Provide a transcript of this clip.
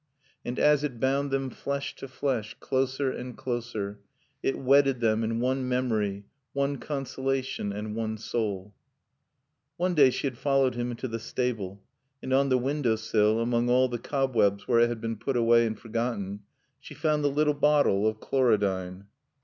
And as it bound them flesh to flesh, closer and closer, it wedded them in one memory, one consolation and one soul. One day she had followed him into the stable, and on the window sill, among all the cobwebs where it had been put away and forgotten, she found the little bottle of chlorodyne.